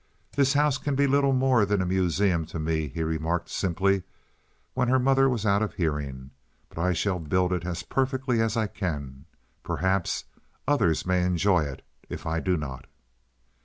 "This house can be little more than a museum to me," he remarked, simply, when her mother was out of hearing; "but I shall build it as perfectly as I can. Perhaps others may enjoy it if I do not."